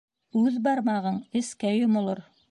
Үҙ бармағың эскә йомолор.